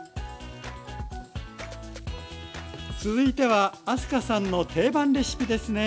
続いては明日香さんの定番レシピですね。